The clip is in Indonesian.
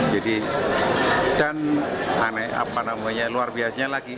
jadi dan aneh apa namanya luar biasanya lagi